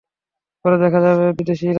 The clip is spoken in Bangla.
পরে দেখা হবে, বিদ্বেষীরা!